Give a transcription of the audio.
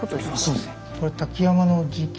そうですね。